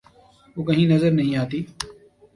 وہ کہیں نظر نہیں آتی۔